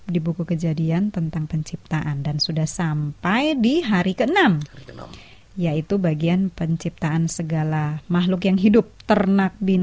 dari studio kami ucapkan selamat mengikuti